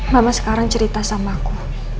mama sekarang cerita sama kok